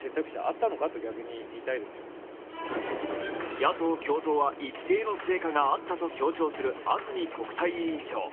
野党共闘は一定の成果があったと強調する安住国対委員長。